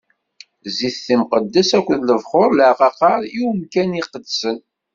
Zzit timqeddest akked lebxuṛ n leɛqaqer i umkan iqedsen.